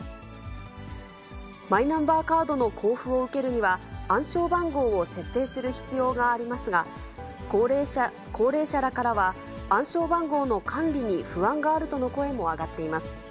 マイナンバーカードの交付を受けるには、暗証番号を設定する必要がありますが、高齢者らからは、暗証番号の管理に不安があるとの声も上がっています。